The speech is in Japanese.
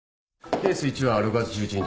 ケース１は６月１１日。